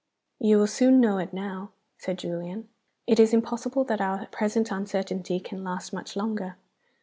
"You will soon know it now," said Julian. "It is impossible that our present uncertainty can last much longer."